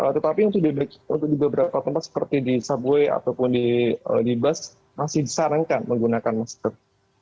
tetapi untuk di beberapa tempat seperti di subway ataupun di bus masih disarankan menggunakan masker